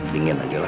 dingin aja mah